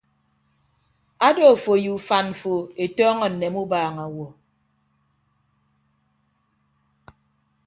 Ado afo ye ufan mfo etọọñọ nneme ubaaña awo.